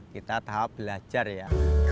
kita tahu belajar ya